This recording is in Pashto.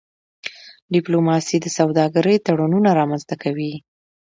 ډيپلوماسي د سوداګری تړونونه رامنځته کوي.